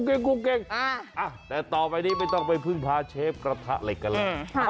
เก่งแต่ต่อไปนี้ไม่ต้องไปพึ่งพาเชฟกระทะเหล็กกันแล้ว